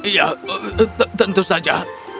ya tentu saja